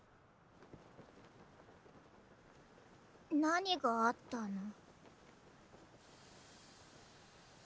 なにがあったの？